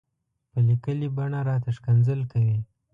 په ليکلې بڼه راته ښکنځل کوي.